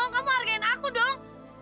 kamu hargain aku dong